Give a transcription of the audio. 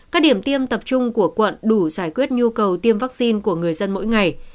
các điểm tiêm tập trung của quận đủ giải quyết nhu cầu tiêm vaccine của người dân mỗi ngày